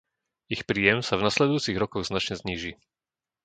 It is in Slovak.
Ich príjem sa v nasledujúcich rokoch značne zníži.